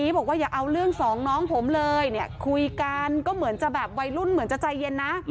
พี่บอกว่าอย่าเอาเรื่องสองน้องผมเลยคุยกันก็เหมือนวัยรุ่นจะใจเย็นนะ